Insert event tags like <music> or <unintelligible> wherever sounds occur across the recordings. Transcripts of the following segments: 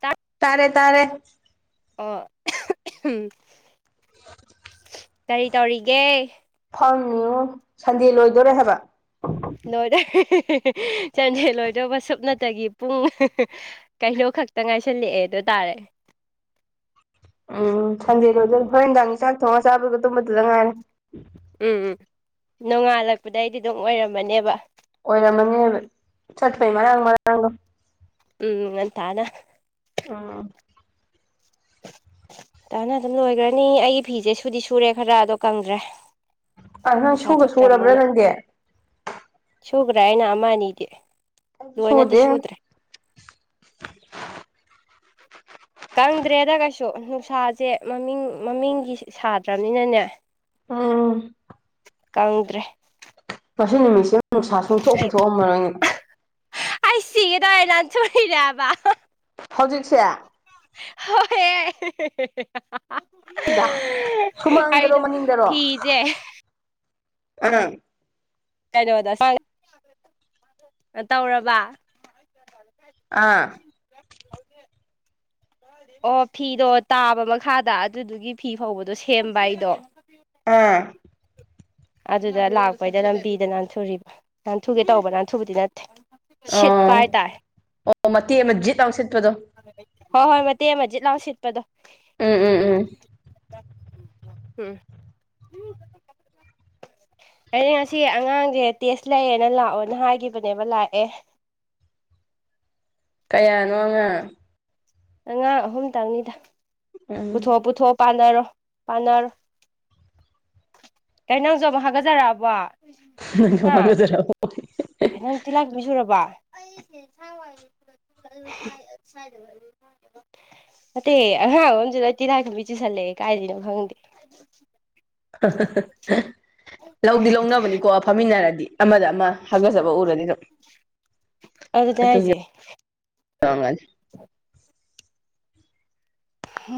ꯇꯥꯠ ꯇꯥꯔꯦ ꯇꯥꯔꯦ ꯑꯣ ꯎꯝ ꯀꯔꯤ ꯇꯧꯔꯤꯒꯦ ꯐꯝꯃꯤꯉꯣ ꯁꯟꯗꯦ ꯂꯣꯏꯗꯣꯔꯦ ꯍꯥꯏꯕ ꯂꯣꯏꯔꯦ ꯁꯟꯗꯦ ꯂꯣꯏꯗꯧꯕ ꯁꯨꯞꯅꯇꯥꯒꯤ ꯄꯨꯡ ꯀꯩꯅꯣ ꯈꯛꯇꯥ ꯉꯥꯏꯁꯜꯂꯛꯑꯦ ꯑꯗꯨ ꯇꯥꯔꯦ ꯎꯝ ꯁꯟꯗꯦ ꯂꯣꯏꯗꯔꯦ ꯍꯣꯔꯦꯟ ꯅꯨꯡꯗꯥꯡꯒꯤ ꯆꯥꯛ ꯊꯣꯡꯉꯒ ꯆꯥꯕꯒ ꯇꯨꯝꯕꯗꯨꯗ ꯉꯥꯏꯔꯦ ꯎꯝ ꯎꯝ ꯅꯣꯡꯉꯥꯜꯂꯛꯄꯗꯩꯗꯤ ꯑꯗꯨꯝ ꯑꯣꯏꯔꯝꯃꯅꯦꯕ ꯑꯣꯏꯔꯝꯃꯅꯦꯕ ꯆꯠꯄꯩ ꯃꯔꯥꯡ ꯃꯔꯥꯡꯗꯣ ꯎꯝ ꯉꯟꯇꯥꯅ ꯎꯝ ꯇꯥꯅ ꯑꯗꯨꯝ ꯂꯣꯏꯒ꯭ꯔꯥꯅꯤ ꯑꯩꯒꯤ ꯐꯤꯁꯦ ꯁꯨꯗꯤ ꯁꯨꯔꯦ ꯈꯔ ꯑꯗꯣ ꯀꯪꯗ꯭ꯔꯦ ꯑ ꯅꯪ ꯅꯨꯡꯁꯥ ꯁꯨꯒ ꯁꯨꯔꯕ꯭ꯔꯥ ꯊꯣꯛꯇ꯭ꯔꯥꯝꯅꯤꯅ ꯅꯪꯗꯤ ꯁꯨꯒ꯭ꯔꯦ ꯑꯩꯅ ꯑꯃ ꯑꯅꯤꯗꯤ ꯑꯩꯗꯤ ꯂꯣꯏꯅꯗꯤ ꯁꯨꯗꯦ ꯁꯨꯗ꯭ꯔꯦ ꯀꯪꯗ꯭ꯔꯦꯗ ꯀꯩꯁꯨ ꯅꯨꯡꯁꯥꯖꯦ ꯃꯃꯤꯡ ꯃꯃꯤꯡꯒꯤ ꯁꯥꯗ꯭ꯔꯥꯕꯅꯤꯅꯅꯦ ꯎꯝ ꯀꯪꯗ꯭ꯔꯦ ꯉꯁꯤ ꯅꯨꯃꯤꯠꯁꯤꯃ ꯅꯨꯡꯁꯥ ꯁꯨꯡꯊꯣꯛ ꯄꯨ ꯊꯣꯛꯑꯝꯃꯔꯣꯏꯅꯦ ꯑꯩ ꯁꯤꯒꯦ ꯇꯧꯋꯦ ꯅꯥꯟꯊꯨꯔꯤꯅꯦ ꯍꯥꯢꯕ ꯍꯧꯖꯤꯛꯁꯦ ꯍꯣꯢꯌꯦ ꯥꯁꯤꯗꯥ ꯁꯨꯃꯥꯡꯗꯔꯣ ꯃꯅꯤꯡꯗꯔꯣ ꯐꯤꯁꯦ ꯑꯩꯅ ꯀꯩꯅꯣꯗ <unintelligible> ꯑꯥ ꯇꯧꯔꯕ ꯑꯥ ꯑꯣ ꯐꯤꯗꯣ ꯇꯥꯕ ꯃꯈꯥꯗ ꯑꯗꯨꯗꯨꯒꯤ ꯐꯤ ꯐꯧꯕꯗꯣ ꯁꯦꯝꯕ ꯑꯩꯗꯣ ꯑꯥ ꯑꯗꯨꯗ ꯂꯥꯛꯄꯩꯗ ꯂꯝꯕꯤꯗ ꯅꯥꯟꯊꯨꯔꯤꯕ ꯅꯥꯟꯊꯨꯒꯦ ꯇꯧꯕ ꯅꯥꯟꯊꯨꯕꯗꯤ ꯅꯠꯇꯦ ꯁꯤꯠꯄ ꯑꯣ ꯍꯥꯏꯇꯥꯔꯦ ꯑꯣ ꯃꯇꯦꯛ ꯑꯃ ꯖꯤꯠ ꯂꯥꯎ ꯁꯤꯠꯄꯗꯣ ꯍꯣꯏ ꯍꯣꯏ ꯃꯇꯦꯛ ꯑꯃ ꯖꯤꯠ ꯂꯥꯎ ꯁꯤꯠꯄꯗꯣ ꯎꯝ ꯎꯝ ꯎꯝ ꯎꯝ ꯑꯩ ꯉꯁꯤ ꯑꯉꯥꯡꯖꯦ ꯇꯦꯁ ꯂꯩꯌꯦꯅ ꯂꯥꯛꯑꯣꯅ ꯍꯥꯏꯒꯤꯕꯅꯦꯕ ꯂꯥꯛꯑꯦ ꯀꯌꯥꯅꯣ ꯑꯉꯥꯡ ꯑꯉꯥꯡ ꯑꯍꯨꯝꯇꯪꯅꯤꯗ ꯎꯝ ꯄꯨꯊꯣꯛ ꯄꯨꯊꯣꯛ ꯄꯥꯟꯅꯔꯣ ꯄꯥꯟꯅꯔꯣ ꯀꯩ ꯅꯪꯖꯨ ꯑꯃꯨꯛ ꯍꯥꯒꯖꯔꯛꯑꯕꯣ <unintelligible> ꯅꯪꯖꯨ ꯍꯥꯒꯖꯔꯑꯕꯣ ꯍꯦ ꯅꯪ ꯇꯤꯜꯂꯥꯏꯈꯨꯝꯕꯤ ꯆꯨꯔꯕꯣ <unintelligible> ꯅꯠꯇꯦ ꯑꯉꯥꯡ ꯑꯍꯨꯝꯖꯦ ꯂꯣꯏ ꯇꯤꯜꯂꯥꯏꯈꯨꯝꯕꯤ ꯆꯨꯁꯜꯂꯦ ꯀꯥꯏꯗꯩꯅꯣ ꯈꯪꯗꯦ ꯂꯧꯗꯤ ꯂꯧꯅꯕꯅꯤꯀꯣ ꯑ ꯐꯝꯃꯤꯟꯅꯔꯗꯤ ꯑꯃꯗ ꯑꯃ ꯍꯥꯒꯠꯖꯕ ꯎꯔꯗꯤ ꯑꯗꯨꯝ ꯑꯗꯨꯅꯦ ꯑꯗꯨꯒꯤ ꯍꯥꯏꯖꯦ <unintelligible>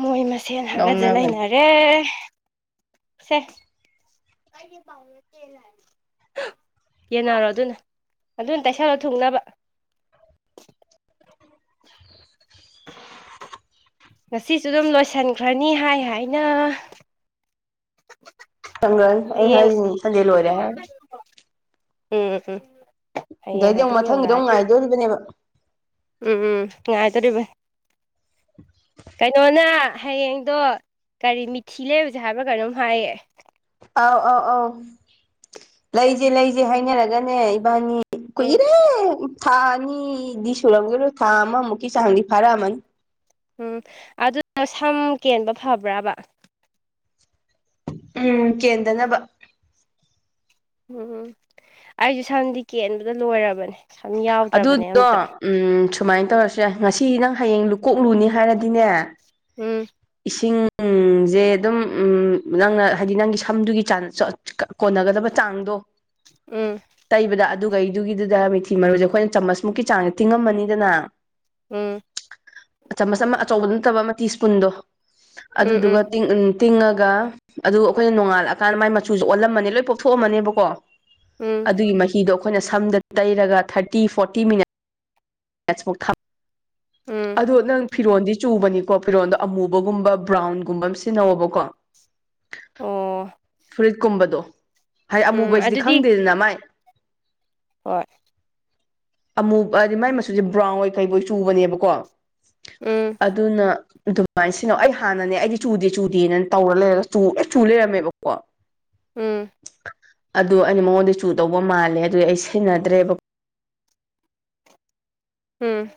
ꯃꯣꯏ ꯃꯁꯦꯟ ꯍꯥꯒꯠꯖ ꯂꯧꯅꯕꯅꯤ ꯂꯩꯅꯔꯦ ꯑꯦ ꯁꯦ ꯌꯦꯟꯅꯔꯣ ꯑꯗꯨꯅ ꯑꯗꯨꯅ ꯇꯩꯁꯜꯂꯣ ꯊꯨꯡꯅꯕ <unintelligible> ꯉꯁꯤꯁꯨ ꯑꯗꯨꯝ ꯂꯣꯏꯁꯟꯈ꯭ꯔꯅꯤ ꯍꯥꯏ ꯍꯥꯏꯅ꯫ <unintelligible> ꯑꯩ ꯍꯌꯦꯡ ꯍꯥꯏꯖꯤꯅꯤ ꯁꯟꯗꯦ ꯂꯣꯏꯔꯦ ꯍꯦ ꯎꯝ ꯎꯝ ꯍꯌꯦꯡ ꯗꯩꯗꯤ ꯑꯃꯨꯛ ꯑꯗꯨꯝ ꯃꯊꯪꯒꯤꯗꯨꯃꯨꯛ ꯌꯧꯔꯛꯑꯅꯤ ꯉꯥꯏꯗꯣꯔꯤꯕꯅꯦꯕ꯫ ꯎꯝ ꯎꯝ ꯉꯥꯏꯗꯧꯔꯤꯕ ꯀꯩꯅꯣꯅ ꯍꯌꯦꯡꯗꯣ ꯀꯔꯤ ꯃꯤꯊꯤ ꯂꯩꯔꯨꯖꯦ ꯍꯥꯏꯕ꯭ꯔꯥ ꯀꯩꯅꯣꯝ ꯍꯥꯏꯌꯦ꯫ ꯑꯥꯎ ꯑꯥꯎ ꯑꯧ ꯂꯩꯖꯦ ꯂꯩꯖꯦ ꯍꯥꯏꯅꯔꯒꯅꯦ ꯏꯕꯥꯅꯤ ꯎꯝ ꯀꯨꯏꯔꯦ ꯊꯥ ꯑꯅꯤꯗꯤ ꯁꯨꯔꯝꯒꯤꯔꯣꯢ ꯊꯥ ꯑꯃꯃꯨꯛꯀꯤ ꯆꯥꯡꯗꯤ ꯐꯥꯔꯛꯑꯃꯅꯤ꯫ ꯎꯝ ꯑꯗꯨꯅ ꯁꯝ ꯀꯦꯟꯕ ꯐꯕ꯭ꯔꯕ? ꯎꯝ ꯀꯦꯟꯗꯅꯕ ꯎꯝ ꯑꯩꯖꯨ ꯁꯝꯗꯤ ꯀꯦꯟꯕꯗ ꯂꯣꯏꯔꯕꯅꯦ꯫ ꯁꯝ ꯌꯥꯎꯗ꯭ꯔꯕꯅꯦ ꯑꯗꯨꯗꯣ ꯑꯝꯇ ꯎꯝ ꯁꯨꯃꯥꯏ ꯇꯧꯔꯁꯨ ꯌꯥꯢ ꯉꯁꯤ ꯅꯪ ꯍꯌꯦꯡ ꯀꯣꯛ ꯂꯨꯅꯤ ꯍꯥꯏꯔꯗꯤꯅꯦ ꯎꯝ ꯏꯁꯤꯡꯖꯦ ꯑꯗꯨꯝ ꯎꯝ ꯅꯪꯅ ꯍꯥꯏꯗꯤ ꯅꯪꯒꯤ ꯁꯝꯗꯨꯒꯤ ꯆꯥꯡ ꯆꯣꯠ ꯀꯣꯟꯅꯒꯗꯕ ꯆꯥꯡꯗꯣ ꯎꯝ ꯇꯩꯕꯗ ꯑꯗꯨꯒꯩꯗꯨꯒꯤꯗꯨꯗ ꯃꯤꯊꯤ ꯃꯔꯨꯖꯦ ꯑꯩꯈꯣꯏꯅ ꯆꯥꯃꯁꯃꯨꯛꯀꯤ ꯆꯥꯡꯖꯦ ꯇꯤꯡꯉꯝꯃꯅꯤꯗꯅ ꯎꯝ ꯆꯥꯃꯁ ꯑꯃ ꯑꯆꯧꯕꯗꯨ ꯅꯠꯇꯕ ꯑꯃ ꯇꯤ ꯁ꯭ꯄꯨꯟꯗꯣ ꯑꯗꯨꯗꯨꯒ ꯎꯝ ꯇꯤꯡ ꯎꯝ ꯇꯤꯡꯉꯒ ꯑꯗꯨ ꯑꯈꯣꯏꯅ ꯅꯣꯡꯉꯥꯜꯂꯛꯑꯀꯥꯟꯗ ꯃꯥꯏ ꯃꯆꯨꯖꯦ ꯑꯣꯜꯂꯝꯃꯅꯤ ꯂꯣꯏ ꯄꯣꯞꯊꯣꯛꯑꯝꯃꯅꯦꯕꯀꯣ ꯎꯝ ꯎꯝ ꯑꯗꯨꯒꯤ ꯃꯍꯤꯗꯣ ꯑꯈꯣꯏꯅ ꯁꯝꯗ ꯇꯩꯔꯒ ꯊꯥꯔꯇꯤ ꯐꯣꯔꯇꯤ ꯃꯤꯅꯠ ꯅꯁ ꯃꯨꯛ ꯊꯝ ꯎꯝ ꯑꯗꯣ ꯅꯪ ꯐꯤꯔꯣꯟꯗꯤ ꯆꯨꯕꯅꯤꯀꯣ ꯐꯤꯔꯣꯜꯗꯣ ꯑꯃꯨꯕꯒꯨꯝꯕ ꯕ꯭ꯔꯥꯎꯟꯒꯨꯝꯕ ꯑꯃ ꯁꯤꯖꯤꯟꯅꯧꯕꯀꯣ꯫ ꯑꯣ ꯐꯨꯔꯤꯠꯀꯨꯝꯕꯗꯣ ꯍꯥꯏ ꯎꯝ ꯑꯃꯨꯕꯁꯤꯗꯤ ꯑꯗꯨꯗꯤ ꯈꯪꯗꯦꯗꯅ ꯃꯥꯏ ꯍꯣꯏ ꯑꯃꯨ ꯍꯥꯏꯗꯤ ꯃꯥꯏ ꯃꯆꯨꯖꯦ ꯕ꯭ꯔꯥꯎꯟ ꯍꯣꯏ ꯀꯩ ꯑꯣꯏ ꯆꯨꯕꯅꯦꯕꯀꯣ ꯎꯝ ꯑꯗꯨꯅ ꯑꯗꯨ ꯁꯨꯃꯥꯏꯅ ꯁꯤꯟꯅꯧ ꯑꯩ ꯍꯥꯟꯅꯅꯦ ꯑꯩꯗꯤ ꯆꯨꯗꯦ ꯆꯨꯗꯦꯅ ꯇꯧꯔ ꯂꯩꯔꯒ ꯆꯨ ꯂ ꯆꯨ ꯂꯩꯔꯝꯃꯦꯕꯀꯣ ꯎꯝ ꯑꯗꯨ ꯑꯩꯅ ꯃꯉꯣꯟꯗ ꯆꯨ ꯗꯧꯕ ꯃꯥꯜꯂꯦ ꯑꯗꯨꯗꯤ ꯑꯩ ꯁꯤꯟꯅꯗ꯭ꯔꯦꯕ ꯎꯝ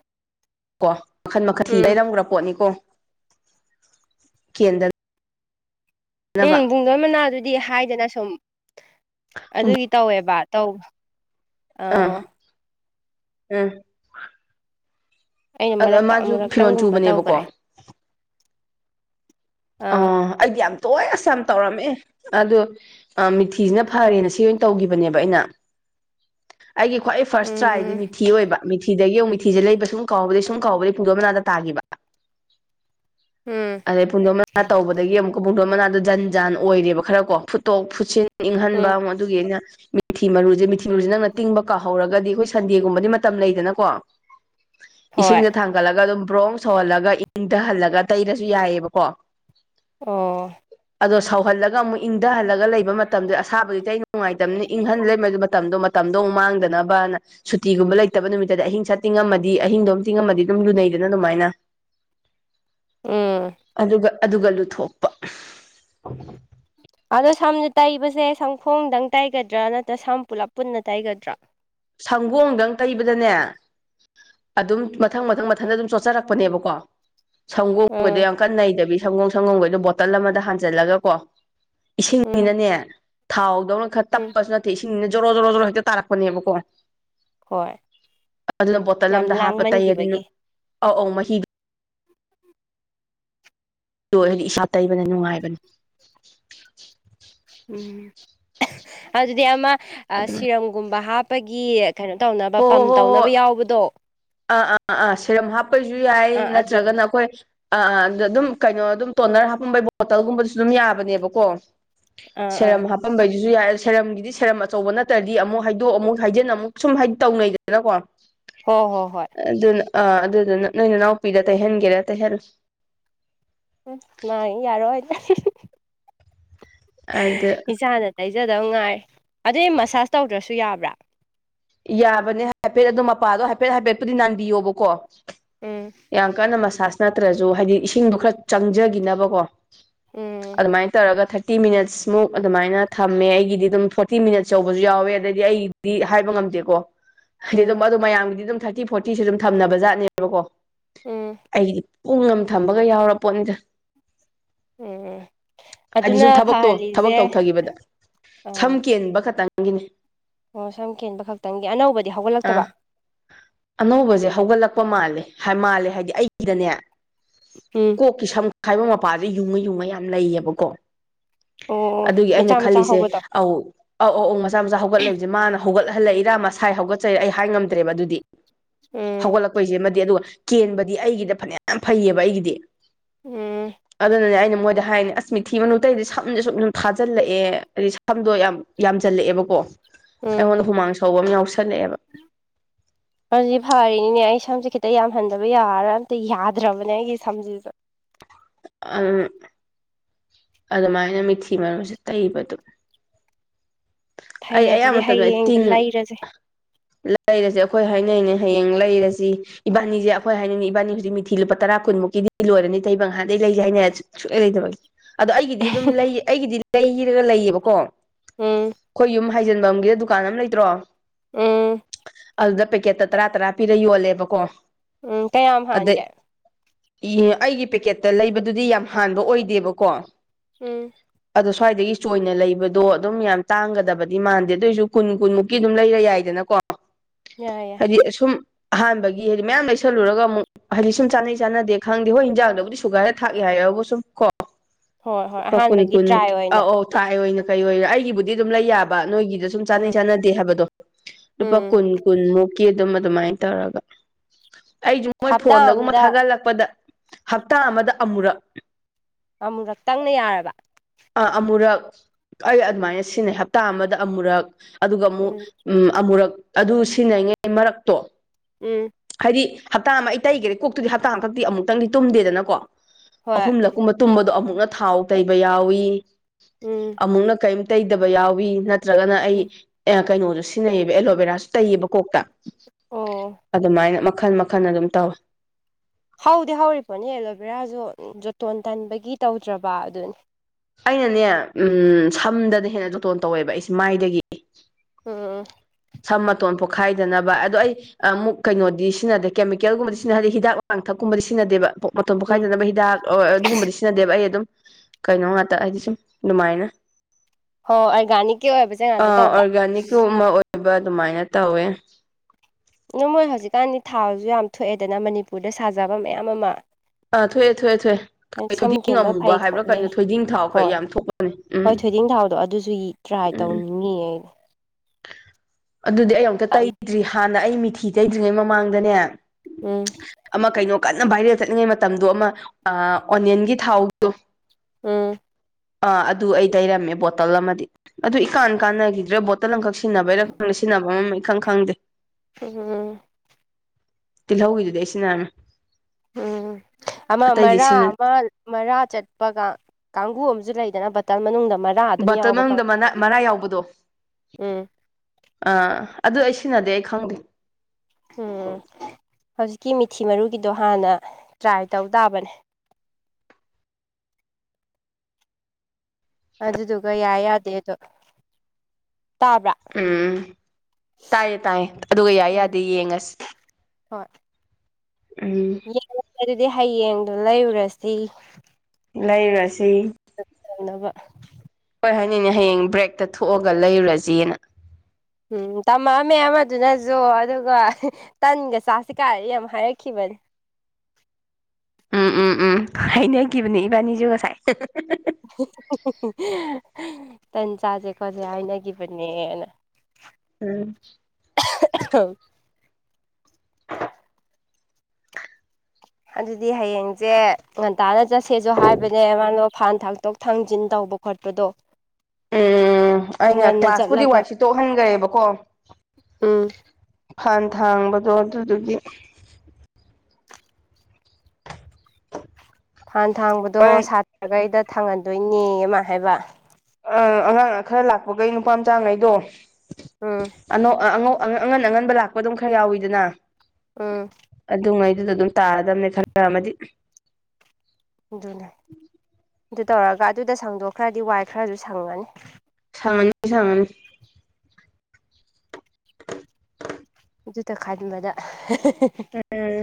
ꯀꯣ ꯃꯈꯟ ꯃꯈꯟ ꯊꯤ ꯎꯝ ꯇꯩꯔꯝꯒ꯭ꯔ ꯄꯣꯠꯅꯤꯀꯣ ꯀꯦꯟꯗ ꯎꯝ ꯄꯨꯡꯗꯣꯟ ꯃꯅꯥꯗꯨꯗꯤ ꯍꯥꯏꯗꯅ ꯁꯨꯝ ꯑꯗꯨꯒꯤ ꯇꯧꯋꯦꯕ ꯇꯧ ꯑ ꯎꯝ ꯑꯩꯅ ꯑꯗ ꯃꯔꯛꯇ ꯃꯥꯁꯨ ꯐꯤꯔꯣꯜ ꯑꯃꯨꯔꯛꯇꯪꯒꯨꯝꯕ ꯇꯧꯒ꯭ꯔꯦ꯫ ꯆꯨꯕꯅꯦꯕꯀꯣ ꯑ ꯑꯥ ꯑꯩꯗꯤ ꯌꯥꯝ ꯇꯣꯏ ꯑꯁ ꯌꯥꯝ ꯇꯧꯔꯝꯃꯦ ꯑꯗꯨ ꯑ ꯃꯤꯊꯤꯖꯤꯅ ꯐꯔꯦꯅ ꯁꯤ ꯑꯣꯏꯅ ꯇꯧꯒꯤꯕꯅꯦꯕ ꯑꯩꯅ꯫ ꯑꯩꯒꯤ ꯈ꯭ꯋꯥꯏ ꯐꯥꯔꯁ ꯇ꯭ꯔꯥꯏꯗꯤ ꯎꯝ ꯃꯤꯊꯤ ꯑꯣꯏꯕ ꯃꯤꯊꯤꯗꯒꯤ ꯑꯃꯨꯛ ꯃꯤꯊꯤꯁꯦ ꯂꯩꯕ ꯁꯨꯝ ꯀꯥꯎꯕꯗꯩ ꯁꯨꯝ ꯀꯥꯎꯕꯗꯩ ꯄꯨꯡꯗꯣꯟ ꯃꯅꯥꯗ ꯇꯥꯈꯤꯕ ꯎꯝ ꯑꯗꯩ ꯄꯨꯡꯗꯣꯟ ꯃꯅꯥ ꯇꯧꯕꯗꯒꯤ ꯑꯃꯨꯛꯀ ꯄꯨꯡꯗꯣꯟ ꯃꯅꯥꯗꯣ ꯖꯟ ꯖꯥꯟ ꯑꯣꯏꯔꯦꯕ ꯈꯔ ꯀꯣ ꯐꯨꯠꯇꯣꯛ ꯐꯨꯠꯁꯤꯟ ꯏꯪꯍꯟꯕ ꯎꯝ ꯑꯃꯨꯛ ꯑꯗꯨꯒꯤ ꯑꯩꯅ ꯃꯤꯊꯤ ꯃꯔꯨꯖ‌ꯦ ꯃꯤꯊꯤ ꯃꯔꯨꯖ‌ꯦ ꯅꯪꯅ ꯇꯤꯡꯕ ꯀꯥꯎꯍꯧꯔꯒꯗꯤ ꯍ‌ꯣꯏ ꯁꯟꯗꯦꯒꯨꯝꯕꯗꯤ ꯃꯇꯝ ꯂꯩꯗꯅꯀꯣ ꯍꯣꯏ ꯏꯁꯤꯡꯗ ꯊꯥꯡꯒꯠꯂꯒ ꯑꯗꯨꯝ ꯕ꯭ꯔꯣꯡ ꯁꯧꯍꯜꯂꯒ ꯏꯪꯗꯍꯜꯂꯒ ꯇꯩꯔꯁꯨ ꯌꯥꯏꯌ‌ꯦꯕꯀꯣ ꯑꯣ ꯑꯗꯣ ꯁꯧꯍꯜꯂꯒ ꯑꯃꯨꯛ ꯏꯪ‌‍‍ꯙꯍꯜꯂꯒ ꯂꯩꯕ ꯃꯇꯝꯗꯣ ꯑꯁꯥꯕꯗꯨꯗꯤ ꯇꯩ ꯅꯨꯡꯉꯥꯏꯇꯝꯅꯤꯅ ꯏꯪꯍꯟ ꯂꯩꯃ ꯃꯇꯝꯗꯣ ꯇꯝꯗ‌ꯣ ꯃꯨꯛ ꯃꯥꯡꯗꯅꯕꯅ ꯁꯨꯇꯤꯒꯨꯝꯕ ꯂꯩꯇꯕ ꯅꯨꯃꯤꯠꯇꯗꯤ ꯑꯍꯤꯡ ꯁꯥꯠ ꯇꯤꯡꯉꯝꯃꯗꯤ ꯑꯍꯤꯡꯗꯣꯝ ꯇꯤꯡꯉꯝꯃꯗꯤ ꯑꯗꯨꯝ ꯂꯨꯅꯩꯗꯅ ꯗꯨꯃꯥꯏꯅ ꯎꯝ ꯑꯗꯨꯒ ꯑꯗꯨꯒ ꯂꯨꯊꯣꯛꯄ ꯑꯗꯣ ꯁꯝꯖ‌ꯦ ꯇꯩꯕꯁꯦ ꯁꯝꯈꯣꯡꯗꯪ ꯇꯩꯒꯗ꯭ꯔꯥ ꯅꯠꯇ꯭ꯔꯒ ꯁꯝ ꯄꯨꯂꯞ ꯄꯨꯟꯅ ꯇꯩꯒꯗ꯭ꯔꯥ ꯁꯝꯒꯣꯡꯗꯪ ꯇꯩꯕꯗꯅꯦ ꯑꯗꯨꯝ ꯃꯊꯪ ꯃꯊꯪ ꯃꯊꯟꯗ ꯎꯝ ꯑꯗꯨꯝ ꯆꯣꯠꯆꯔꯛ ꯄꯅꯦꯕꯀꯣ ꯁꯪꯒꯣꯡꯒꯗꯤ ꯎꯝ ꯌꯥꯝ ꯀꯟ ꯅꯩꯗꯕꯤ ꯁꯪꯒꯣꯡ ꯁꯪꯒꯣꯡꯒꯩꯗꯣ ꯕꯣꯇꯜ ꯑꯃꯗ ꯍꯥꯟꯖꯜꯂꯒꯀꯣ ꯎꯝ ꯏꯁꯤꯡꯅꯤꯅꯅꯦ ꯊꯥꯎꯗꯧꯅ ꯈꯔ ꯎꯝ ꯇꯞꯄꯁꯨ ꯅꯠꯇꯦ ꯏꯁꯤꯡꯅꯤꯅ ꯖꯣꯔꯣ ꯖꯣꯔꯣ ꯖꯣꯔꯣ ꯍꯦꯛꯇ ꯇꯥꯔꯛꯄꯅꯦꯕꯀꯣ ꯍꯣꯏ ꯑꯗꯨꯅ ꯕꯣꯇꯜ ꯌꯥꯝ ꯑꯝꯗ ꯍꯥꯞꯄ ꯇꯩꯔꯗꯤ ꯂꯥꯡꯃꯟꯈꯤꯕꯒꯤ ꯅꯨꯡ ꯑꯧ ꯑꯧ ꯃꯍꯤ ꯇꯣ ꯑꯩꯗꯤ ꯏꯁꯥ ꯇꯩꯕꯅ ꯅꯨꯡꯉꯥꯏꯕꯅꯤ ꯎꯝ ꯑꯗꯨꯗꯤ ꯑꯃ ꯑꯥ ꯑꯗꯨꯅ ꯁꯤꯔꯝꯒꯨꯝꯕ ꯍꯥꯞꯄꯒꯤ ꯀꯩꯅꯣ ꯇꯧꯅꯕ ꯄꯝ ꯇꯧꯅꯕ ꯌꯥꯎꯕꯗꯣ ꯑ ꯑꯥ ꯑ ꯑꯥ ꯁꯤꯔꯝ ꯍꯥꯞꯄꯩꯖꯨ ꯌꯥꯏ ꯑꯥ ꯑꯗꯨꯗ ꯅꯠꯇ꯭ꯔꯒꯅ ꯑꯈꯣꯏ ꯑ ꯑꯥ ꯑꯗꯨꯝ ꯀꯩꯅꯣ ꯑꯗꯨꯝ ꯇꯣꯅꯔ ꯍꯥꯞꯄꯝꯕꯩ ꯕꯣꯇꯜꯒꯨꯝꯕꯁꯨ ꯗꯨꯝ ꯌꯥꯕꯅꯦꯕꯀꯣ ꯑꯥ ꯑꯥ ꯁ‌ꯦꯔꯝ ꯍꯥꯞ ꯄꯝꯕꯩꯗꯨꯁꯨ ꯌꯥꯏ ꯁꯦꯔꯝꯒꯤꯗꯤ ꯁꯦꯔꯝ ꯑꯆꯧꯕ ꯅꯠꯇ꯭ꯔꯗꯤ ꯑꯃꯨꯛ ꯍꯩꯗꯣꯛ ꯑꯃꯨꯛ ꯍꯩꯖꯤꯟ ꯑꯃꯨꯛ ꯁꯨꯝ ꯍꯥꯏꯗꯤ ꯇꯧꯅꯩꯗꯅꯀꯣ ꯍꯣ ꯍꯣ ꯍꯣꯏ ꯑꯗꯨꯅ ꯑ ꯑꯗꯨꯗꯨꯅ ꯅꯣꯏ ꯅꯅꯥꯎꯄꯤꯗ ꯇꯩꯍꯟꯒꯦꯔꯥ ꯇꯩꯍꯜꯂꯨ ꯎꯝ ꯃꯥ <unintelligible> ꯌꯥꯔꯛ ꯑꯣꯏ ꯑꯗ ꯏꯆꯥꯅ ꯇꯩꯖꯗꯧ ꯉꯥꯏꯔ‌ꯦ ꯑꯗꯨꯏ ꯃꯁꯥꯥꯁ ꯇꯧꯗ꯭ꯔꯁꯨ ꯌꯥꯕ꯭ꯔꯥ ꯌꯥꯕꯅꯦ ꯍꯥꯏꯐꯦꯠ ꯑꯗꯨꯝ ꯃꯄꯥꯗꯣ ꯍꯥꯏꯐꯦꯠ ꯍꯥꯏꯐꯦꯠꯄꯨꯗꯤ ꯅꯥꯟꯕꯤꯌꯣꯕꯀꯣ ꯎꯝ ꯌꯥꯝ ꯀꯟꯅ ꯃꯁꯥꯁ ꯅꯠꯇ꯭ꯔꯁꯨ ꯍꯥꯏꯗꯤ ꯏꯁꯤꯡꯗꯣ ꯈꯔ ꯆꯪꯖꯒꯤꯅꯕꯀꯣ ꯎꯝ ꯑꯗꯨꯃꯥꯏꯅ ꯇꯧꯔꯒ ꯊꯔ ꯇꯤ ꯃꯤꯅꯠꯁꯃꯨꯛ ꯑꯗꯨꯃꯥꯏꯅ ꯊꯝꯃꯦ ꯑꯩꯒꯤꯗꯤ ꯑꯗꯨꯝ ꯐꯣꯔꯇꯤ ꯃꯤꯅꯠꯁ ꯌꯧꯕꯁꯨ ꯌꯥꯎꯋꯦ ꯑꯗꯩꯗꯤ ꯑꯩꯒꯤꯗꯤ ꯍꯥꯏꯕ ꯉꯝ ꯀꯣ ꯍꯥꯏꯗꯤ ꯎꯝ ꯗꯨꯝ ꯑꯗꯨ ꯃꯌꯥꯝꯒꯤꯗꯤ ꯑꯗꯨꯝ ꯊꯥꯔꯇꯤ ꯐꯣꯔꯇꯤꯁ‌ꯦ ꯗꯨꯝ ꯊꯝꯅꯕꯖꯥꯠꯅꯦꯕꯀꯣ ꯎꯝ ꯑꯩ ꯄꯨꯡ ꯑꯝ ꯊꯝꯕꯒ ꯌꯥꯎꯔ ꯄꯣꯠꯅꯤꯗ ꯎꯝ ꯍꯥꯏꯗꯤ ꯑꯗꯨꯅ ꯁꯨꯝ ꯊꯕꯛꯇꯣ ꯊꯕꯛ ꯐꯍꯜꯂꯤꯁꯦ ꯇꯧꯊꯈꯤꯕꯗ ꯁꯝ ꯑꯣ ꯀꯦꯟꯕ ꯈꯇꯪ ꯒꯤꯅꯦ ꯑꯣ ꯁꯝ ꯀꯦꯟꯕ ꯈꯛꯇꯪꯒꯤ ꯑꯅꯧꯕꯗꯤ ꯍꯧꯒꯠꯂꯛꯇꯕ ꯑꯅꯧꯕꯖꯦ ꯍꯧꯒꯠꯂꯛꯄ ꯃꯥꯜꯂꯦ ꯃꯥꯜꯂꯦ ꯍꯥꯏꯗꯤ ꯑꯩꯒꯤꯗꯅꯦ ꯍꯝ ꯀꯣꯛꯀꯤ ꯁꯝ ꯈꯥꯏꯕ ꯃꯄꯥꯖꯦ ꯌꯨꯡꯉ ꯌꯨꯡꯉ ꯌꯥꯝ ꯂꯩꯌꯦꯕꯀꯣ ꯑꯣ ꯑꯣ ꯑꯗꯨꯒꯤ ꯑꯩꯅ ꯃꯆꯥ ꯃꯆꯥ ꯈꯜꯂꯤꯁꯦ ꯍꯧꯕꯗꯣ ꯑꯧ ꯑꯧ ꯑꯧ ꯑꯧ ꯃꯆꯥ ꯃꯆꯥ ꯍꯧꯒꯠꯂꯛꯏꯖꯦ ꯃꯥꯅ ꯍꯧꯒꯠꯍꯜꯂꯛꯏꯔꯥ ꯃꯁꯥꯏ ꯍꯧꯒꯠꯆꯩꯔ ꯑꯩ ꯍꯥꯏ ꯉꯝꯗ꯭ꯔꯦꯕ ꯑꯗꯨꯗꯤ ꯎꯝ ꯍꯧꯒꯠꯂꯛꯄꯩꯖꯤꯃꯗꯤ ꯑꯗꯨꯒ ꯀꯦꯟꯕꯗꯤ ꯑꯩꯒꯤꯗ ꯐꯅꯌꯥꯝ ꯐꯩꯌꯦꯕ ꯑꯩꯒꯤꯗꯤ ꯎꯝ ꯑꯗꯨꯅꯅꯦ ꯑꯩꯅ ꯃꯣꯏꯗ ꯍꯥꯏ ꯑꯁ ꯃꯤꯊꯤ ꯃꯅꯨ ꯇꯩ ꯁꯝꯁꯦ ꯁꯨꯝ ꯁꯨꯝ ꯊꯥꯖꯜꯂꯛꯑꯦ ꯍꯥꯏꯗꯤ ꯁꯝꯗꯣ ꯌꯥꯝ ꯌꯥꯝꯖꯜꯂꯛꯑꯦꯕꯀꯣ ꯫ ꯎꯝ ꯑꯩꯉꯣꯟꯗ ꯍꯨꯃꯥꯡ ꯁꯧꯕ ꯑꯃ ꯌꯥꯎꯁꯜꯂꯛꯑꯦꯕ꯫ ꯑꯗꯨꯗꯤ ꯐꯔꯤꯅꯤꯅꯦ ꯑꯩ ꯁꯝꯁꯦ ꯈꯤꯇ ꯌꯥꯝꯍꯟꯗꯕ ꯌꯥꯔꯔꯣꯢ ꯑꯝꯇ ꯌꯥꯗ꯭ꯔꯕꯅꯦ ꯑꯩꯒꯤ ꯁꯝꯁꯤꯁꯨ꯫ ꯑꯝ ꯑꯗꯨꯃꯥꯏꯅ ꯃꯤꯊꯤ ꯃꯔꯨꯁꯦ ꯇꯩꯕ ꯑꯗꯨꯝ ꯑꯩ ꯐꯩ ꯑꯌꯥꯝꯕ ꯑꯗꯨꯗꯤ ꯃꯇꯝꯗ ꯑꯩ ꯍꯌꯦꯡꯗꯣ ꯇꯤꯡ ꯂꯩꯔꯁꯦ ꯂ ꯂꯩꯔꯁꯤ ꯑꯩꯈꯣꯏ ꯍꯥꯏꯅꯩꯅꯦ ꯍꯌꯦꯡ ꯂꯩꯔꯖꯤ ꯏꯕꯥꯅꯤꯖꯦ ꯑꯩꯈꯣꯏ ꯍꯥꯏꯅꯩꯅꯦ ꯏꯕꯥꯅꯤ ꯍꯧꯖꯤꯛ ꯃꯤꯊꯤ ꯂꯨꯄꯥ ꯇꯔꯥ ꯀꯨꯟꯃꯨꯛꯀꯤꯗꯤ ꯂꯣꯏꯔꯅꯤ ꯇꯩꯕ ꯅꯍꯥꯟꯗꯩ ꯂꯩꯖꯦ ꯍꯥꯏꯅꯔ ꯁꯨ ꯁꯨꯛꯂꯩ ꯂꯩꯗꯕꯒꯤ ꯑꯗꯣ ꯑꯩꯒꯤꯗꯤ ꯑꯗꯨꯝ ꯂꯩ ꯑꯩꯒꯤꯗꯤ ꯂꯩꯔꯒ ꯂꯩꯌꯦꯕꯀꯣ ꯎꯝ ꯈꯣꯏ ꯌꯨꯝ ꯍꯥꯏꯖꯟꯕꯝꯒꯤꯗ ꯗꯨꯀꯥꯟ ꯑꯃ ꯂꯩꯇ꯭ꯔꯣ? ꯎꯝ ꯑꯗꯨꯗ ꯄꯦꯀꯦꯠꯇ ꯇꯔꯥ ꯇꯔꯥ ꯄꯤꯔ ꯌꯣꯜꯂꯦꯕꯀꯣ꯫ ꯎꯝ ꯀꯌꯥꯝ ꯍꯥꯟꯒꯦ? ꯏꯑꯦ ꯑꯩꯒꯤ ꯄꯦꯛꯀꯦꯠꯇ ꯂꯩꯕꯗꯨꯗꯤ ꯌꯥꯝ ꯍꯥꯟꯕ ꯑꯣꯏꯗꯦꯕꯀꯣ꯫ ꯎꯝ ꯑꯗꯣ ꯁ꯭ꯋꯥꯏꯗꯒꯤ ꯆꯣꯏꯅ ꯂꯩꯕꯗꯣ ꯑꯗꯨꯝ ꯌꯥꯝ ꯇꯥꯡꯒꯗꯕꯗꯤ ꯃꯥꯟꯗꯦ ꯑꯗꯨꯏꯁꯨ ꯀꯨꯟ ꯀꯨꯟꯃꯨꯛꯀꯤ ꯑꯗꯨꯝ ꯂꯩꯔ ꯌꯥꯏꯗꯅꯀꯣ꯫ ꯌꯥꯢ ꯌꯥꯢ ꯗꯤ ꯑꯁꯨꯝ ꯑꯍꯥꯟꯕꯒꯤ ꯍꯥꯏꯗꯤ ꯃꯌꯥꯝ ꯂꯩꯁꯜꯂꯨꯔꯒ ꯑꯃꯨꯛ ꯍꯥꯏꯗꯤ ꯁꯨꯝ ꯆꯥꯅꯩ ꯆꯥꯟꯅꯗꯦ ꯈꯪꯗꯦ ꯍꯣꯏ ꯏꯟꯖꯥꯡꯗꯕꯨꯗꯤ ꯁꯨꯒꯥꯏꯔ ꯊꯥꯛ ꯌꯥꯢꯌꯦꯕꯨ ꯁꯨꯝ ꯀꯣ ꯍꯣꯏ ꯍꯣꯏ ꯂꯨꯄꯥ ꯀꯨꯟ ꯑꯍꯥꯟꯕꯒꯤ ꯀꯨꯟ ꯇ꯭ꯔꯥꯏ ꯃꯨꯛꯀꯤ ꯑꯣꯏꯅ ꯑꯥꯎ ꯑꯧ <unintelligible> ꯑꯣꯢꯅ ꯀꯩ ꯑꯣꯢꯅ ꯑꯩꯒꯤꯕꯨꯗꯤ ꯑꯗꯨꯝ ꯂꯩ ꯌꯥꯕ ꯅꯣꯏꯒꯤꯗ ꯁꯨꯝ ꯆꯥꯅꯩ ꯎꯝ ꯆꯥꯟꯅ ꯇꯦ ꯍꯥꯏꯕꯗꯣ ꯂꯨꯄꯥ ꯎꯝ ꯀꯨꯟ ꯀꯨꯟꯃꯨꯛꯀꯤ ꯑꯗꯨꯝ ꯑꯗꯨꯃꯥꯏ ꯇꯧꯔꯒ ꯑꯩꯖꯨ ꯃꯣꯏ ꯍꯞꯇꯥ ꯐꯣꯟꯗꯒꯨꯝꯕ ꯑꯝꯗ ꯊꯥꯒꯠꯂꯛꯄꯗ ꯍꯞꯇꯥ ꯑꯃꯗ ꯑꯃꯨꯔꯛ ꯑꯃꯨꯔꯛꯇꯪꯅ ꯌꯥꯔꯕ? ꯑ ꯑꯃꯨꯔꯛ ꯑꯩ ꯑꯗꯨꯃꯥꯏꯅ ꯁꯤꯟꯅꯩ ꯍꯞꯇꯥ ꯑꯃꯗ ꯑꯃꯨꯔꯛ ꯑꯗꯨꯒ ꯑꯃꯨꯛ ꯎꯝ ꯑꯃꯨꯔꯛ ꯑꯗꯨ ꯁꯤꯟꯅꯩꯉꯩ ꯃꯔꯛꯇꯣ ꯎꯝ ꯍꯥꯏꯗꯤ ꯍꯞꯇꯥ ꯑꯃ ꯑꯩ ꯇꯩꯒ꯭ꯔꯦ ꯀꯣꯛꯇꯗꯤ ꯍꯞꯇꯥ ꯑꯃꯈꯛꯇꯤ ꯑꯃꯨꯛꯇꯪꯗꯤ ꯇꯨꯝꯗꯦꯗꯅꯀꯣ꯫ ꯍꯣꯏ ꯑꯍꯨꯝꯂꯛꯀꯨꯝꯕ ꯇꯨꯝꯕꯗꯣ ꯑꯃꯨꯛꯅ ꯊꯥꯎ ꯇꯩꯕ ꯌꯥꯎꯋꯤ, ꯎꯝ ꯑꯃꯨꯛꯅ ꯀꯩꯝ ꯇꯩꯗꯕ ꯌꯥꯎꯋꯤ ꯅꯠꯇ꯭ꯔꯒꯅ ꯑꯩ ꯎꯝ ꯑꯦ ꯀꯩꯅꯣꯗꯣ ꯁꯤꯖꯤꯟꯅꯩꯌꯦꯕ ꯑꯦꯂꯣ ꯕꯦꯔꯥꯁꯨ ꯇꯩꯌꯦꯕ ꯀꯣꯛꯇ ꯑꯣ ꯑꯗꯨꯃꯥꯏꯅ ꯃꯈꯟ ꯃꯈꯟ ꯑꯗꯨꯝ ꯇꯧꯋꯦ꯫ ꯍꯧꯗꯤ ꯍꯧꯔꯤꯄꯣꯠꯅꯤ ꯑꯦꯂꯣꯕꯦꯔꯥꯖꯨ ꯖꯣꯇꯣꯟ ꯇꯟꯕꯒꯤ ꯇꯧꯗ꯭ꯔꯕꯗꯨꯅꯤ꯫ ꯑꯩꯅꯅꯦ ꯎꯝ ꯁꯝꯗꯅ ꯍꯦꯟꯅ ꯖꯣꯇꯣꯟ ꯇꯧꯋꯦꯕ ꯑꯩꯁꯦ ꯃꯥꯏꯗꯒꯤ꯫ ꯎꯝ ꯁꯝ ꯃꯇꯣꯟ ꯄꯣꯛꯈꯥꯏꯗꯅꯕ ꯑꯗꯣ ꯑꯩ ꯑꯃꯨꯛ ꯀꯩꯅꯣꯗꯤ ꯁꯤꯟꯅꯗꯦ ꯀꯦꯃꯤꯀꯦꯜꯒꯨꯝꯕꯗꯤ ꯁꯤꯟꯅꯗꯦ ꯍꯤꯗꯥꯛ ꯂꯥꯡꯊꯛꯀꯨꯝꯕꯗꯤ ꯁꯤꯟꯅꯗꯦꯕ <unintelligible> ꯃꯇꯣꯟ ꯎꯝ ꯄꯣꯛꯈꯥꯏꯗꯅꯕ ꯍꯤꯗꯥꯛ ꯑ ꯑꯗꯨꯒꯨꯝꯕꯗꯤ ꯁꯤꯟꯅꯗꯦꯕ ꯑꯩ ꯑꯗꯨꯝ ꯀꯩꯅꯣ ꯉꯥꯛꯇ ꯍꯥꯏꯗꯤ ꯁꯨꯝ ꯗꯨꯃꯥꯏꯅ ꯍꯣ ꯑꯣꯔꯒꯥꯅꯤꯛꯀꯤ ꯑꯣꯏꯕꯁꯦ ꯉꯥꯛꯇ ꯇꯧꯕ꯫ ꯑꯃ ꯑꯣꯏꯕ ꯑꯗꯨꯃꯥꯏꯅ ꯇꯧꯋꯦ꯫ <unintelligible> ꯃꯣꯏ ꯍꯧꯖꯤꯛꯀꯥꯟꯗꯤ ꯊꯥꯎꯁꯨ ꯌꯥꯝ ꯊꯣꯛꯑꯦꯗꯅ ꯃꯅꯤꯄꯨꯔꯗ ꯁꯥꯖꯕ ꯃꯌꯥꯝ ꯑꯃ꯫ ꯑꯥ ꯊꯣꯛꯑꯦ ꯊꯣꯛꯑꯦ ꯁꯝ ꯊꯣꯛꯑꯦ <unintelligible> ꯀꯦꯟꯕ ꯑꯃꯨꯕ ꯐꯩ ꯍꯥꯢꯕ꯭ꯔꯥ ꯈꯣꯠꯂꯦ ꯀꯩꯅꯣ ꯊꯣꯏꯗꯤꯡ ꯊꯥꯎ ꯀ ꯍꯣꯏ ꯌꯥꯝ ꯊꯣꯛꯄ ꯍꯣꯏ ꯊꯣꯏꯗꯤꯡ ꯊꯥꯕꯗꯣ ꯑꯗꯨꯁꯨ ꯇ꯭ꯔꯥꯏ ꯎꯝ ꯇꯧꯅꯤꯡꯉꯤꯌꯦ꯫ ꯑꯗꯨꯗꯤ ꯑꯩ ꯑꯃꯨꯛꯇ ꯎꯝ ꯇꯩꯗꯔꯤ ꯍꯥꯟꯅ ꯑꯩ ꯃꯤꯊꯤ ꯇꯩꯗ꯭ꯔꯤꯉꯩ ꯃꯃꯥꯡꯗꯅꯦ ꯎꯝ ꯑꯃ ꯀꯩꯅꯣ ꯀꯟꯅ ꯚꯥꯏꯔꯦꯜ ꯆꯠꯂꯤꯉꯩ ꯃꯇꯝꯗꯣ ꯑꯃ ꯑ ꯑꯣꯅꯤꯌꯟꯒꯤ ꯊꯥꯎꯗꯣ꯫ ꯎꯝ ꯑꯥ ꯑꯗꯨ ꯑꯩ ꯇꯩꯔꯝꯃꯦ ꯕꯣꯇꯜ ꯑꯃꯗꯤ ꯑꯗꯨ ꯏꯀꯥꯟ ꯀꯥꯟꯅꯈꯤꯗ꯭ꯔꯦ ꯕꯣꯇꯜ ꯑꯃꯈꯛ ꯁꯤ ꯁꯤꯟꯅꯕꯩꯔ ꯈꯪꯗꯦ ꯁꯤꯟꯅꯕꯝ ꯑꯃ ꯏꯈꯪ ꯈꯪꯗꯦ <unintelligible> ꯇꯤꯜꯍꯧꯒꯤꯗꯨꯗꯤ ꯑꯩ ꯁꯤꯖꯤꯟꯅꯥꯔꯝꯃꯦ ꯎꯝ ꯑꯃ ꯃꯩꯔꯥ ꯁꯤꯖꯤꯟꯅꯗꯦ ꯑꯃ ꯃꯔꯥ ꯆꯠꯄꯒ ꯀꯥꯡꯕꯨ ꯑꯃꯁꯨ ꯂꯩꯗꯅ ꯕꯇꯟ ꯃꯅꯨꯡꯗ ꯃ ꯕꯇꯜ ꯃꯅꯨꯡꯗ ꯃꯅꯥ ꯃꯔꯥ ꯌꯥꯎꯕꯗꯣ ꯎꯝ ꯑꯥ ꯑꯗꯨ ꯑꯩ ꯁꯤꯖꯤꯟꯅꯗꯦ ꯑꯩ ꯈꯪꯗꯦ ꯎꯝ ꯍꯧꯖꯤꯛꯀꯤ ꯃꯤꯊꯤ ꯃꯔꯨꯒꯤꯗꯣ ꯍꯥꯟꯅ ꯇ꯭ꯔꯥꯏ ꯇꯧ ꯇꯥꯕꯅꯦ ꯑꯗꯨꯗꯨꯒ ꯌꯥꯏ ꯌꯥꯗꯦꯗꯣ ꯇꯥꯕ꯭ꯔꯥ ꯎꯝ ꯇꯥꯏꯌꯦ ꯇꯥꯏꯌꯦ ꯑꯗꯨꯒ ꯌꯥꯏ ꯎꯝ ꯌꯥꯗꯦ ꯌꯦꯡꯉꯁꯦ ꯍꯣꯏ ꯎꯝ ꯌꯦꯡꯉꯁꯦ ꯑꯗꯨꯗꯤ ꯍꯌꯦꯡꯗꯣ ꯂꯩꯔꯨꯔꯁꯤ ꯂꯩꯔꯨꯔꯁꯤ <unintelligible> ꯍꯣꯏ ꯍꯥꯏꯅꯤꯅꯦ ꯍꯌꯦꯡ ꯕ꯭ꯔꯦꯛꯇ ꯊꯣꯛꯑꯒ ꯂꯩꯔꯨꯔꯁꯤꯅ ꯎꯝ ꯇꯝꯃꯛ ꯑꯝꯃꯦ ꯑꯃꯗꯨꯅꯁꯨ ꯑꯗꯨꯒ <unintelligible> ꯇꯟꯒ ꯆꯥꯁꯤ ꯀꯥ ꯌꯥꯝ ꯍꯥꯏꯔꯛ ꯈꯤꯕꯅꯦ ꯎꯝ ꯎꯝ ꯎꯝ ꯍꯩꯅꯈꯤꯕꯅꯦ ꯏꯕꯥꯅꯤꯁꯨ ꯉꯁꯥꯏ <unintelligible> <unintelligible> ꯇꯟ ꯆꯥꯁꯦ ꯈꯣꯠꯁꯦ ꯍꯥꯏꯅꯈꯤꯕꯅꯦꯅ ꯎꯝ <unintelligible> ꯑꯗꯨꯗꯤ ꯍꯌꯦꯡꯁꯦ ꯉꯟꯇꯥꯗ ꯆꯠꯁꯦꯁꯨ ꯍꯥꯏꯕꯅꯦ ꯃꯥꯅꯣ ꯐꯥꯟ ꯊꯥꯛꯇꯣꯛ ꯊꯥꯡꯖꯤꯟ ꯇꯧꯕ ꯈꯣꯠꯄꯗꯣ ꯎꯝ ꯑꯩꯅ ꯉꯟꯅ ꯀ꯭ꯂꯥꯁꯄꯨꯗꯤ ꯆꯠꯂꯒ ꯋꯥꯏ ꯁꯤꯠ ꯇꯣꯛ ꯍꯟꯈ꯭ꯔꯦꯕꯀꯣ ꯎꯝ ꯐꯥꯟ ꯊꯥꯡꯕꯗꯣ ꯑꯗꯨꯗꯨꯒꯤ ꯐꯟ ꯊꯥꯡꯕꯗꯣ ꯍꯣꯔꯦꯟ ꯁꯥꯇ꯭ꯔꯒꯩꯗ ꯊꯥꯡꯍꯟꯗꯣꯏꯅꯦꯌꯦ ꯃꯥ ꯍꯥꯏꯕ ꯑ ꯑꯉꯥꯡ ꯈꯔ ꯂꯥꯛꯄꯈꯩ ꯅꯨꯄꯥ ꯃꯆꯥꯉꯩꯗꯣ ꯎꯝ <unintelligible> ꯑꯉꯟ ꯑꯉꯟꯕ ꯂꯥꯛꯄ ꯑꯗꯨꯝ ꯈꯔ ꯌꯥꯎꯋꯤꯗꯅ ꯎꯝ ꯑꯗꯨꯉꯩꯗꯨꯗ ꯑꯗꯨꯝ ꯇꯥꯔꯗꯕꯅꯦ ꯈꯔ ꯑꯃꯗꯤ ꯑꯗꯨꯅꯦ ꯑꯗꯨ ꯇꯧꯔꯒ ꯑꯗꯨꯗ ꯁꯪꯗꯣꯛꯈ꯭ꯔꯗꯤ ꯋꯥꯏ ꯈꯔꯁꯨ ꯁꯪꯉꯅꯤ ꯁꯪꯉꯅꯤ ꯁꯪꯉꯅꯤ ꯑꯗꯨꯇ ꯈꯟꯕꯗ <unintelligible> ꯎꯝ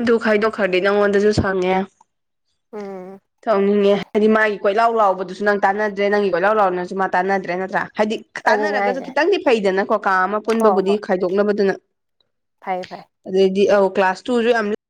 ꯑꯗꯨ ꯈꯥꯏꯗꯣꯛ ꯈ꯭ꯔꯗꯤ ꯅꯪꯉꯣꯟꯗꯁꯨ ꯁꯪꯉꯦ ꯎꯝ ꯇꯧꯅꯤꯡꯉꯦ ꯍꯥꯏꯗꯤ ꯃꯥꯒꯤ ꯀꯣꯏꯂꯥꯎ ꯂꯥꯎꯕꯗꯨꯁꯨ ꯅꯪ ꯇꯥꯟꯅꯗ꯭ꯔꯦ ꯅꯪꯒꯤ ꯀꯣꯏꯂꯥꯎ ꯂꯥꯎꯅꯁꯨ ꯃꯥ ꯇꯥꯟꯅꯗ꯭ꯔꯦ ꯅꯠꯇ꯭ꯔꯥ ꯍꯥꯏꯗꯤ ꯑꯗꯨꯅꯦ ꯇꯥꯟꯅꯔꯒꯁꯨ ꯍꯥꯏꯁꯦ ꯈꯤꯇꯪꯗꯤ ꯐꯩꯗꯅꯀꯣ ꯀꯥ ꯑꯃ ꯍꯣꯏ ꯄꯨꯟꯕꯕꯨꯗꯤ ꯍꯣꯏ ꯈꯥꯏꯗꯣꯛꯅꯕꯗꯨꯅ ꯐꯩ ꯐꯩ ꯑꯗꯨꯗꯩꯗꯤ ꯑꯥꯎ ꯀ꯭ꯂꯥꯁ ꯇꯨꯖꯨ ꯌꯥꯝ